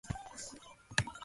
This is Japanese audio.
古池や蛙飛び込む水の音